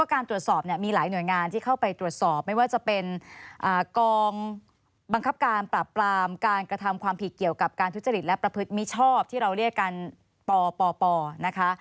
กองบังคับการปรับปรามการกระทำความผิดเกี่ยวกับการทุจริตและประพฤติมิชอบที่เราเรียกการปปปนะคะ